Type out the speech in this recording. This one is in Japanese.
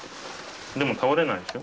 でも倒れないでしょ？